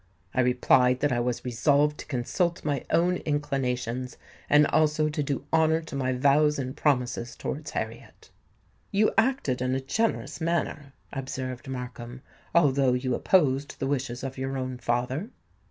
I replied that I was resolved to consult my own inclinations, and also to do honour to my vows and promises towards Harriet." "You acted in a generous manner," observed Markham; "although you opposed the wishes of your own father."